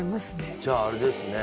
じゃああれですね健